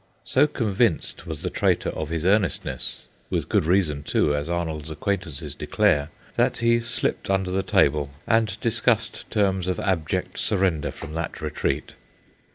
So convinced was the traitor of his earnestness with good reason, too, as Arnold's acquaintances declare that he slipped under the table, and discussed terms of abject surrender from that retreat.